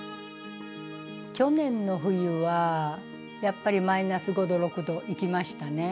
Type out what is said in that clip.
去年の冬はやっぱりマイナス５６度いきましたね。